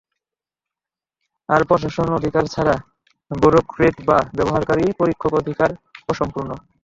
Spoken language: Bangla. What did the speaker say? আর প্রশাসক অধিকার ছাড়া ব্যুরোক্র্যাট বা ব্যবহারকারী পরীক্ষক অধিকার অসম্পূর্ণ?